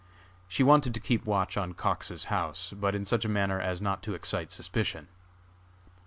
She wanted to keep watch on Cox's house, but in such a manner as not to excite suspicion.